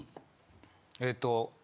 えっと。